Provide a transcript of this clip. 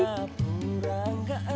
udah pundan gak tau